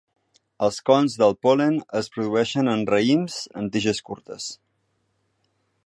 Els cons del pol·len es produeixen en raïms en tiges curtes.